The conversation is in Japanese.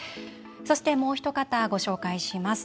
そして、もうひと方ご紹介します。